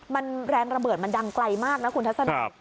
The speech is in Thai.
มันแรงระเบิดมันดังไกลมากนะคุณทัศนัย